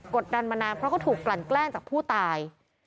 ดดันมานานเพราะเขาถูกกลั่นแกล้งจากผู้ตาย